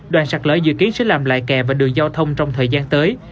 đoàn sặc lỡ dự kiến sẽ làm lại kè và đường giao thông trong thời gian tới